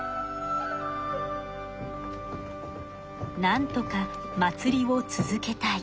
なんとか祭りを続けたい。